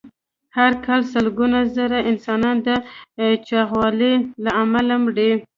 هر کال سلګونه زره انسانان د چاغوالي له امله مري.